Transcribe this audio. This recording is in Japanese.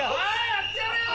やってやるよ！